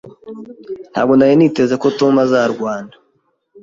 Ntabwo nari niteze ko Tom azarwana.